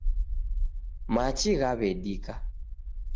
Machi ghaw'edika.